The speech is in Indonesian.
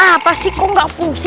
apa sih kok gak fungsi